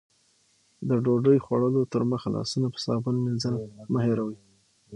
د ډوډۍ خوړلو تر مخه لاسونه په صابون مینځل مه هېروئ.